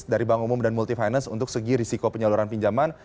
dari bank umum dan multifinance untuk segi risiko penyaluran pinjaman